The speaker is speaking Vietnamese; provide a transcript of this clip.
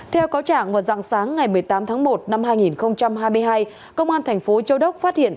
theo cáo trạng vào dạng sáng ngày một mươi tám tháng một năm hai nghìn hai mươi hai công an thành phố châu đốc phát hiện